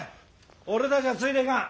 俺たちはついていかん。